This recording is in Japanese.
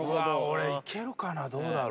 俺いけるかな？